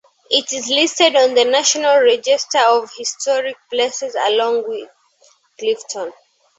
It is listed on the National Register of Historic Places along with Clifton.